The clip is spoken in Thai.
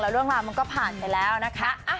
เรื่องราวมันก็ผ่านไปแล้วนะคะ